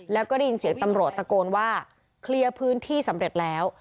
แล้วก็ได้ยินเสียงตำรวจตะโกนว่าเคลียร์พื้นที่สำเร็จแล้ว